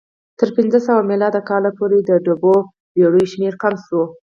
تر پنځه سوه میلادي کاله پورې د ډوبو بېړیو شمېر کم شو